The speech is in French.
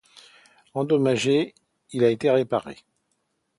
Endommagé, il a été réparé.